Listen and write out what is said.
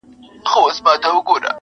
مهارت د ساعتېرۍ نه مهم وګڼه